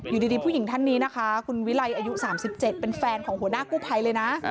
อยู่ดีผู้หญิงท่านนี้นะคะคุณวิไลอายุ๓๗เป็นแฟนของหัวหน้ากู้ภัยเลยนะ